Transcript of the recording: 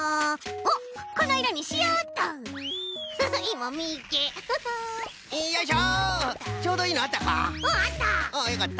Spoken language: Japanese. おおよかった。